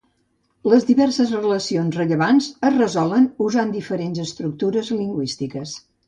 Les diverses relacions rellevants es resolen usant diferents estructures lingüístiques.